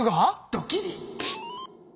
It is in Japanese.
ドキリ。